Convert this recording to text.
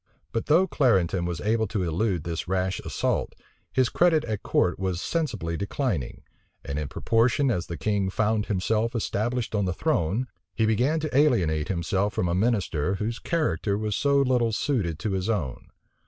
But though Clarendon was able to elude this rash assault, his credit at court was sensibly declining; and in proportion as the king found himself established on the throne, he began to alienate himself from a minister whose character was so little suited to his own.